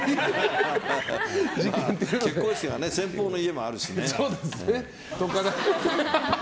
結婚式は先方の家もあるしね。